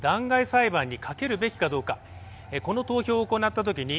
裁判にかけるべきかどうかこの投票を行ったときに